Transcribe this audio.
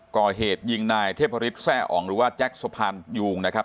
ก่อเหตุยิงนายเทพฤษแซ่องหรือว่าแจ็คสะพานยูงนะครับ